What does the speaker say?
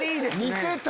似てた！